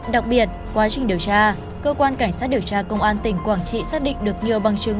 đặc biệt quá trình điều tra cơ quan cảnh sát điều tra công an tỉnh quảng trị xác định được nhiều bằng chứng